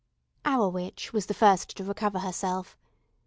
Our witch was the first to recover herself.